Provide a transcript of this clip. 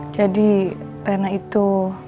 jadi reina itu